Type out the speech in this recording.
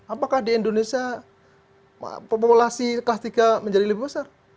apakah di indonesia populasi kelas tiga menjadi lebih besar